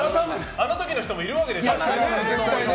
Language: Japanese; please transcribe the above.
あの時の人もいるわけでしょ。